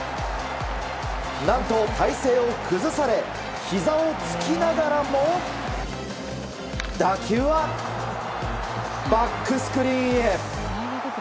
何と体勢を崩されひざをつきながらも打球はバックスクリーンへ。